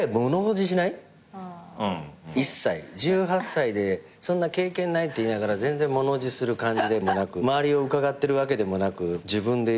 １８歳でそんな経験ないって言いながら全然物おじする感じでもなく周りをうかがってるわけでもなく自分でいるなっていうのは。